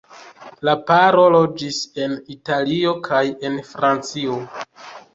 La paro loĝis en Italio kaj en Francio.